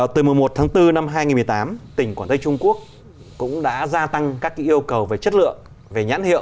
từ một mươi một tháng bốn năm hai nghìn một mươi tám tỉnh quảng tây trung quốc cũng đã gia tăng các yêu cầu về chất lượng nhãn hiệu